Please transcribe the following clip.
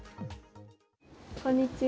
こんにちは。